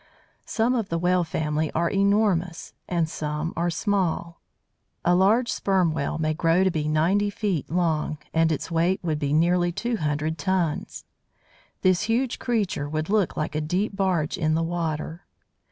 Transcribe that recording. Some of the Whale family are enormous, and some are small. A large Sperm Whale may grow to be ninety feet long, and its weight would be nearly two hundred tons! This huge creature would look like a deep barge in the water.